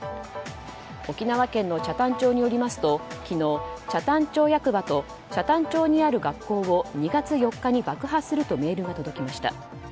沖縄県の北谷町によりますと昨日、北谷町役場と北谷町にある学校を２月４日に爆破するとメールが届きました。